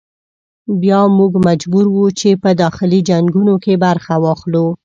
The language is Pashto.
بیا موږ مجبور وو چې په داخلي جنګونو کې برخه واخلو.